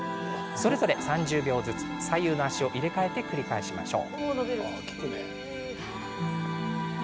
それぞれ３０秒ずつ左右の足を入れ替えて繰り返しましょう。